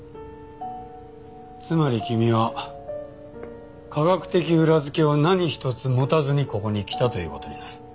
つまり君は科学的裏付けを何一つ持たずにここに来たという事になる。